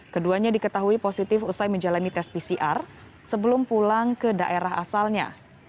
keduanya diketahui positif usai menjalani tes pcr sebelum pulang ke daerah asalnya